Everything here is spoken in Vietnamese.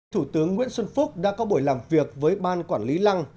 thủ tướng nguyễn xuân phúc đã có buổi làm việc với ban quản lý lăng